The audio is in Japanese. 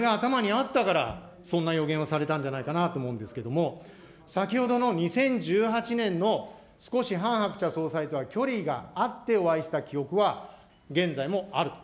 これが頭にあったから、そんな予言をされたんじゃないかなと思うんですけれども、先ほどの２０１８年の少し、ハン・ハクチャ総裁とは距離があってお会いした記憶は現在もあると。